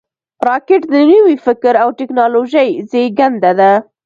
راکټ د نوي فکر او ټېکنالوژۍ زیږنده ده